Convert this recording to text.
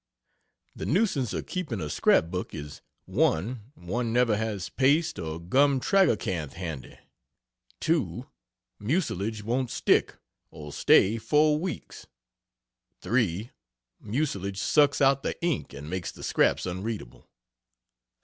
The nuisance of keeping a scrap book is: 1. One never has paste or gum tragacanth handy; 2. Mucilage won't stick, or stay, 4 weeks; 3. Mucilage sucks out the ink and makes the scraps unreadable; 4.